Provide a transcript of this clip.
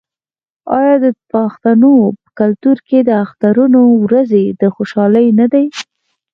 آیا د پښتنو په کلتور کې د اخترونو ورځې د خوشحالۍ نه دي؟